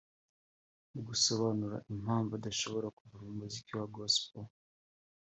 Mu gusobanura impamvu adashobora kuva mu muziki wa Gospel